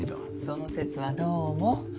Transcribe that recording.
その節はどうも。